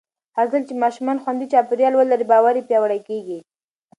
هرځل چې ماشومان خوندي چاپېریال ولري، باور یې پیاوړی کېږي.